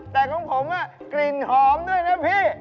แต่ของผมกลิ่นหอมด้วยนะพี่